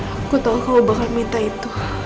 aku tau kamu bakal minta itu